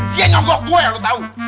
dia nyogok gue lu tau